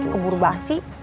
ke buru basi